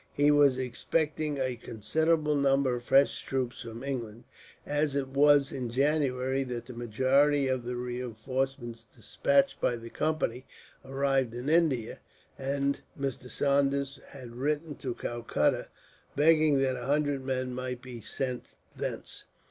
He was expecting a considerable number of fresh troops from England, as it was in January that the majority of the reinforcements despatched by the Company arrived in India; and Mr. Saunders had written to Calcutta, begging that a hundred men might be sent thence.